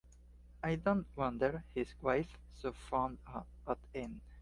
I don't wonder his wife's so fond of him!